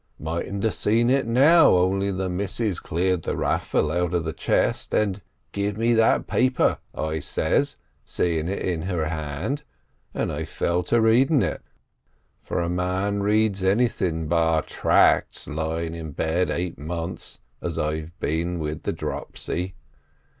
Mightn't a' seen it now, only the missus cleared the raffle out of the chest, and, 'Give me that paper,' I says, seeing it in her hand; and I fell to reading it, for a man'll read anything bar tracts lying in bed eight months, as I've been with the dropsy.